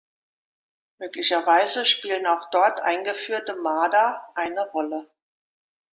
Möglicherweise spielen auch dort eingeführte Marder eine Rolle.